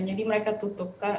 jadi mereka tutup